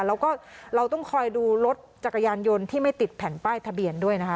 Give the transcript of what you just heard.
แล้วก็เราต้องคอยดูรถจักรยานยนต์ที่ไม่ติดแผ่นป้ายทะเบียนด้วยนะคะ